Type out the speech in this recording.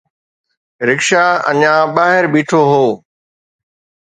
رڪشا اڃا ٻاهر بيٺو هو